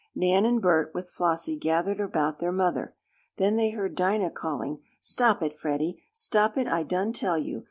Nan and Bert, with Flossie, gathered about their mother. Then they heard Dinah calling: "Stop it, Freddie! Stop it I done tell you!